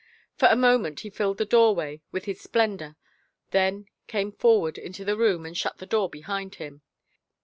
For a moment he filled the doorway with his splendor, then came for ward into the room and shut the door behind him.